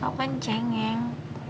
kamu kan cengeng